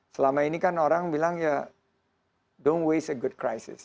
selama ini kan orang bilang ya don't waste a good crisis